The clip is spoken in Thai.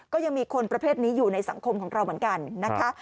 ก็ยังมีคนประเภทนี้อยู่ในสังคมของเราเหมือนกันนะคะ